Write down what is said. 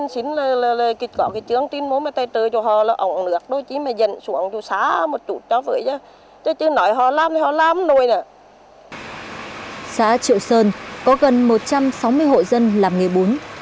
xã triệu sơn có gần một trăm sáu mươi hộ dân làm nghề bún